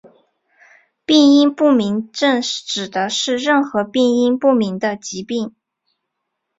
病因不明症指的是任何病因不明的疾病。